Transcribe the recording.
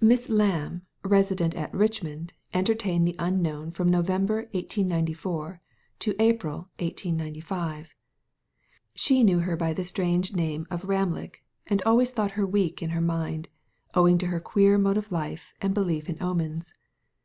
Miss Lamb, resident at Richmond, entertained the unknown from November, 1894, to April, 1895. She knew her by the strange name of Ramlig, and always thought her weak in her mind, owing to her queer mode of life, and belief in omens.